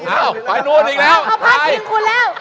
อ้าวไปนู่นอีกแล้ว